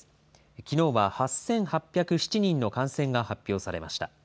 きのうは８８０７人の感染が発表されました。